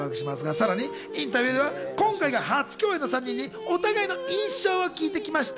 さらにインタビューでは今回が初共演の３人にお互いの印象を聞いてみました。